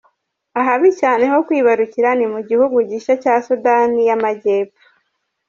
Ahabi cyane ho kwibarukira ni mu gihugu gishya cya Sudan y’Amajyepfo.